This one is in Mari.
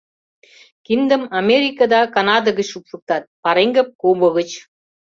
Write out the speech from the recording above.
Киндым Америка да Канада гыч шупшыктат, пареҥгым — Куба гыч.